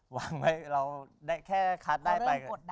หวังไหมเราแค่คัดได้ไป